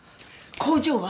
工場は？